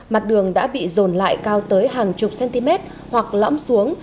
mặt đường đã bị dồn lại cao tới hàng chục cm hoặc lõm xuống